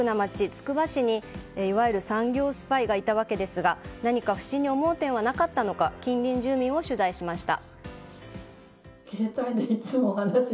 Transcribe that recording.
つくば市にいわゆる産業スパイがいたわけですが何か不審に思う点はなかったのか近隣住民を取材しました。